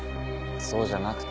そうじゃなくて。